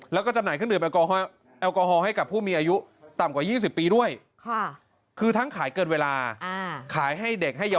แล้วก็จำหน่ายเครื่องดื่มแอลกอฮอลให้กับผู้มีอายุต่ำกว่า๒๐ปีด้วย